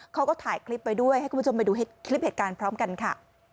เขาก็ถ่ายคลิปไปด้วยให้คุณผู้ชมไปดูคลิปเหตุการณ์พร้อมกันค่ะ